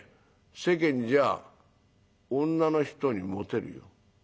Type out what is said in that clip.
世間じゃ女の人にモテるよ。